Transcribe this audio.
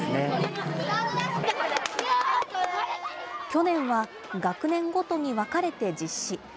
去年は学年ごとに分かれて実施。